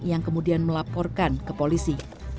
yang kemudian melaporkan ke polisi